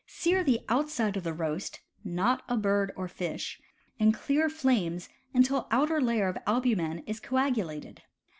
Sear the outside of the roast (not a bird or fish) in clear flames until outer layer of albumen is coagulated.